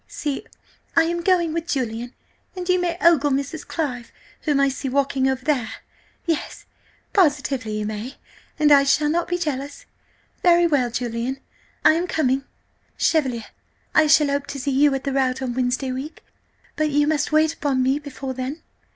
See, I am going with Julian, and you may ogle Mrs. Clive, whom I see walking over there–yes, positively you may, and I shall not be jealous! Very well, Julian, I am coming! Chevalier, I shall hope to see you at the rout on Wednesday week, but you must wait upon me before then."